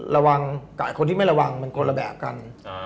อเจมส์ตัวของพี่เต๋แก้ยังไงดี